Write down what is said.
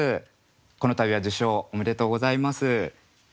この度は受賞おめでとうございます。